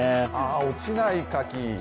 落ちない柿。